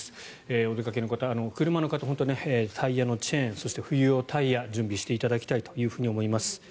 お出かけの方、車の方タイヤのチェーンそして冬用タイヤ準備していただきたいと思います。